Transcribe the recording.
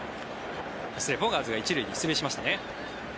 失礼、ボガーツが１塁に出塁しましたね。